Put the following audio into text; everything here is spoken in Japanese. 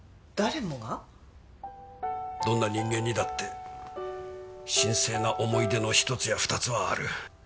どんな人間にだって神聖な思い出の一つやニつはある。